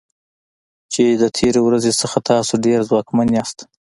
چې د تیرې ورځې څخه تاسو ډیر ځواکمن یاست.